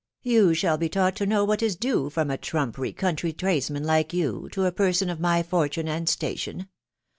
" Yon shall he taught to know what is due from a trumpery country trades man like you, to a person of my fortune and station.